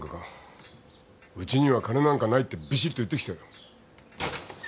うちには金なんかないってびしっと言ってきてやる。